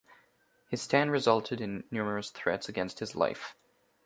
His stand resulted in numerous threats against his life.